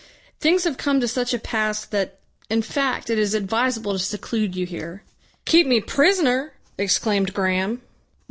"Things have come to such a pass that, in fact, it is advisable to seclude you here." "Keep me prisoner!" exclaimed Graham.